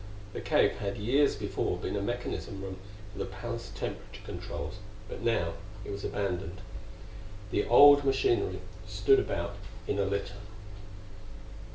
The cave had years before been a mechanism room for the palace temperature controls, but now it was abandoned. The old machinery stood about in a litter.